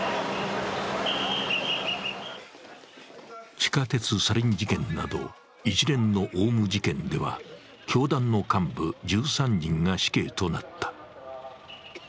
地下鉄サリン事件など、一連のオウム事件では教団の幹部１３人が死刑となった。